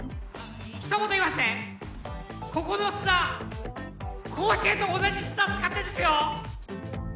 一言言わせてここの砂甲子園と同じ砂使ってんですよ！